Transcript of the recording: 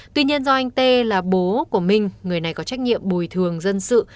tuy nhiên do anh tê là bố của minh người này có trách nhiệm bồi thường dân sự